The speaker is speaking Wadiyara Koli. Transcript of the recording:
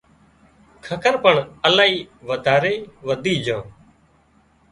ککر پڻ الاهي وڌاري وڌِي جھان